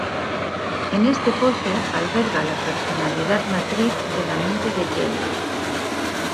En este pozo alberga la personalidad matriz de la mente de Jane.